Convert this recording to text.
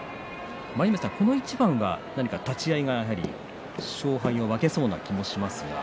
この一番は立ち合いが勝敗を分けそうな気もしますが。